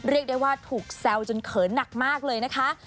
เรียกได้ว่าถูกแซวจนเขินหนักมากเลยนะคะ